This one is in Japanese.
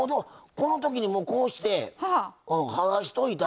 このときに、こうして剥がしといたら。